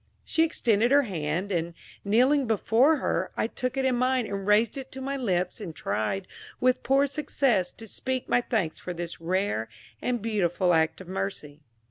She extended her hand, and, kneeling before her, I took it in mine and raised it to my lips, and tried, with poor success, to speak my thanks for this rare and beautiful act of mercy.